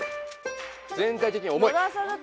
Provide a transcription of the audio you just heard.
全体的に重い！